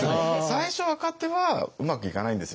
最初若手はうまくいかないんですよ。